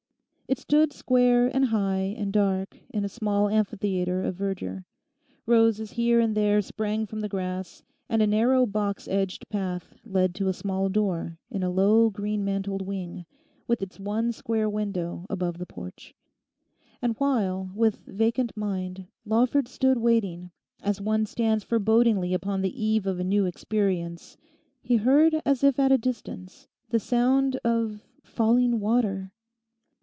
It stood square and high and dark in a small amphitheatre of verdure. Roses here and there sprang from the grass, and a narrow box edged path led to a small door in a low green mantled wing, with its one square window above the porch. And while, with vacant mind, Lawford stood waiting, as one stands forebodingly upon the eve of a new experience he heard as if at a distance the sound of falling water.